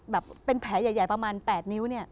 แบบเป็นแผลใหญ่ประมาณ๘นิ้วเนี่ย